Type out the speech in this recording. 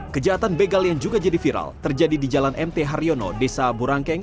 kejahatan begal yang juga jadi viral terjadi di jalan mt haryono desa burangkeng